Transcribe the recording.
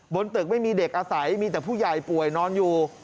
บนตึกไม่มีเด็กอาศัยมีแต่ผู้ใหญ่ป่วยนอนอยู่